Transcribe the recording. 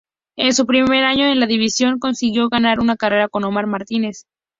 En su primer año en la divisional consiguió ganar una carrera con Omar Martínez.